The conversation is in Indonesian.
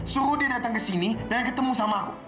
suruh dia datang ke sini dan ketemu sama aku